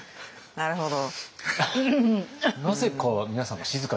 なるほど。